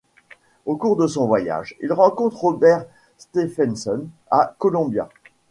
Au cours de son voyage, il rencontre Robert Stephenson à Colombia.